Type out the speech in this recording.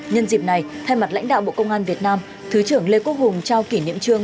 nhân dịp này thay mặt lãnh đạo bộ công an việt nam thứ trưởng lê quốc hùng trao kỷ niệm trương